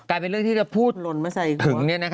กลายเป็นเรื่องที่จะพูดถึง